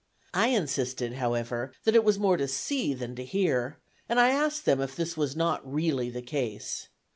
I insisted, however, that it was more to see than to hear; and I asked them if that was not really the case.